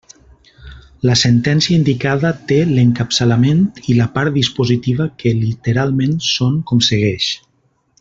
La sentència indicada té l''encapçalament i la part dispositiva que, literalment, són com segueix.